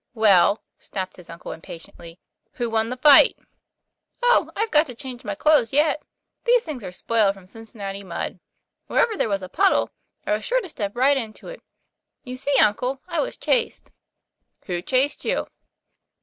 ' Well," snapped his uncle, impatiently, " who won the fight ?". ;t Oh, I've got to change my clothes yet. These things are spoiled from Cincinnati mud. Wherever there was a puddle, I was sure to step right into it. You see, uncle, I was chased." " Who chased you?